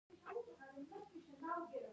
دریابونه د افغانستان د شنو سیمو ښکلا ده.